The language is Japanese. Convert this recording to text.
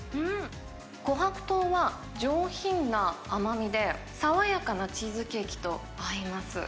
こはく糖は上品な甘みで、爽やかなチーズケーキと合います。